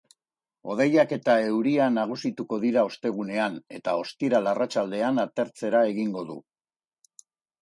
Hodeiak eta euria nagusituko dira ostegunean, eta ostiral arratsaldean atertzera egingo du.